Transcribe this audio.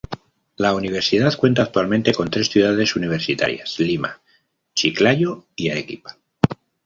La universidad cuenta actualmente con tres ciudades universitarias: Lima, Chiclayo y Arequipa.